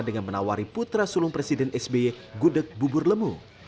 dengan menawari putra sulung presiden sby gudeg bubur lemu